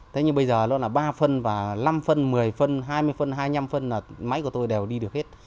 thế nhưng bây giờ nó là ba phân và năm phân một mươi phân hai mươi phân hai mươi năm phân là máy của tôi đều đi được hết